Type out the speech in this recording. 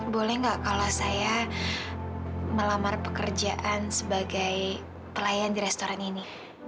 boleh nggak kalau saya melamar pekerjaan sebagai pelayan di restoran ini